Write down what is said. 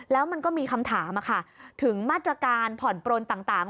แล้วมันก็มีคำถามถึงมาตรการผ่อนปลนต่าง